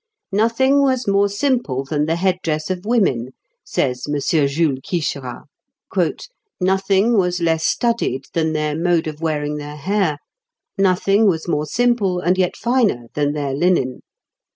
"Nothing was more simple than the head dress of women," says M. Jules Quicherat; "nothing was less studied than their mode of wearing their hair; nothing was more simple, and yet finer, than their linen.